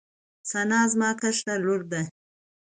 ثنا زما کشره لور ده